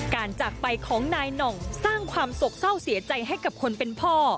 จากไปของนายหน่องสร้างความสกเศร้าเสียใจให้กับคนเป็นพ่อ